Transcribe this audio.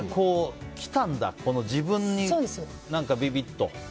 きたんだ、自分にビビッと。